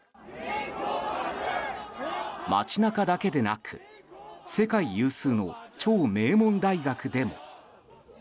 街中だけでなく世界有数の超名門大学でも。